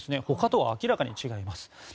ほかとは明らかに違います。